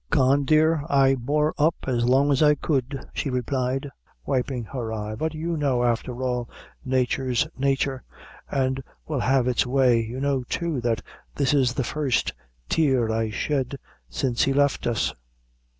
"Con dear, I bore up as long as I could," she replied, wiping her eye; "but you know, after all, nature's nature, an' will have its way. You know, too, that this is the first tear I shed, since he left us."